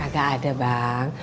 gak ada bang